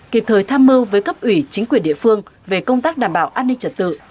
kịp thời tham mưu với cấp ủy chính quyền địa phương về công tác đảm bảo an ninh trật tự